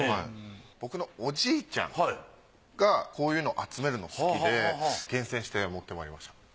僕のおじいちゃんがこういうのを集めるの好きで厳選して持ってまいりました。